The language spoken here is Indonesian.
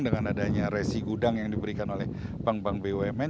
dengan adanya resi gudang yang diberikan oleh bank bank bumn